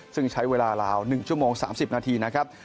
ซึ่งใช้เวลาลาว๑ชั่วโมง๓๐นาทีนะครับ